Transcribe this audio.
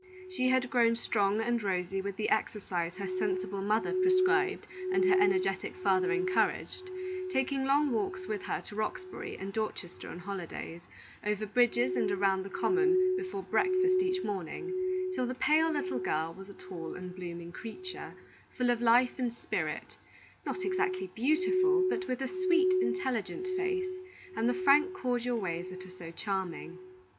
She had grown strong and rosy with the exercise her sensible mother prescribed and her energetic father encouraged, taking long walks with her to Roxbury and Dorchester on holidays, over bridges and around the common before breakfast each morning, till the pale little girl was a tall and blooming creature, full of life and spirit, not exactly beautiful, but with a sweet, intelligent face, and the frank, cordial ways that are so charming.